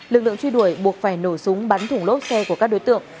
lực lượng truy đuổi buộc phải nổ súng bắn thủng lốp xe của các đối tượng